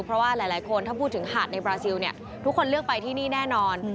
เพราะว่าหลายคนถ้าพูดถึงหาดในบราซิลเนี่ยทุกคนเลือกไปที่นี่แน่นอน